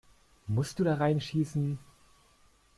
Musst du da rein schießen?